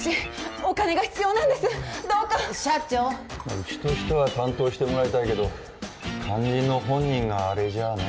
うちとしては担当してもらいたいけど肝心の本人があれじゃねえ。